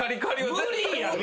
無理やて。